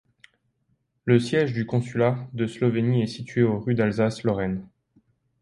Le siège du consulat de Slovénie est situé au rue d’Alsace Lorraine.